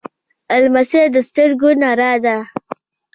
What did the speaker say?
لمسی د سترګو رڼا ده.